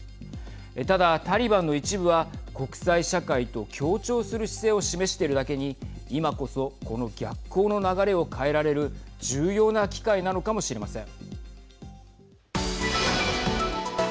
ただ、タリバンの一部は国際社会と協調する姿勢を示しているだけに今こそこの逆行の流れを変えられる重要な機会なのかもしれません。